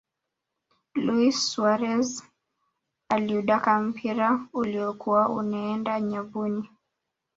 luis suarez aliudaka mpira uliyokuwa unaeenda nyavuni